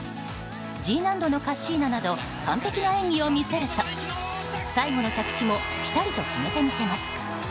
Ｇ難度のカッシーナなど完璧な演技を見せると最後の着地もピタリと決めて見せます。